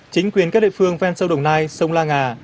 chính quyền các địa phương ven sâu đồng nai sông la ngà